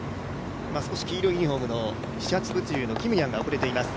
少し黄色いユニフォームの日立物流のキムニャンが遅れています。